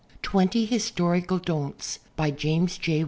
Twenty Historical "Don'ts'' James J.